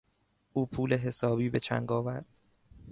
او پول حسابی به چنگ آورد.